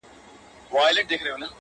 ځان یې خپل دئ نور د هر چا دښمنان!!